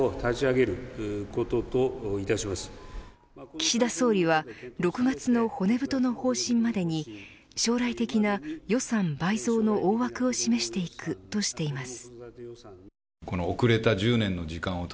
岸田総理は６月の骨太の方針までに将来的な予算倍増の大枠を示していくとしています。